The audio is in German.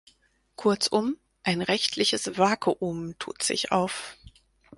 Kurzum, ein rechtliches Vakuum tut sich auf.